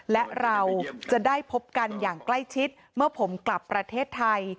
และเราจะได้พบกันอย่างใกล้ชิดเมื่อผมกลับประเทศไทย